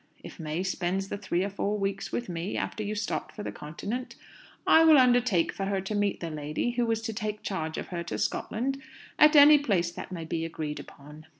If May spends the three or four weeks with me after you start for the Continent, I will undertake for her to meet the lady who is to take charge of her to Scotland, at any place that may be agreed upon.